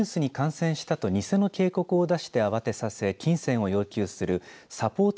パソコンなどにウイルスに感染したと偽の警告を出して慌てさせ金銭を要求するサポート